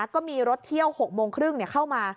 ก็มีรถเที่ยว๖โมงครึ่งเข้ามา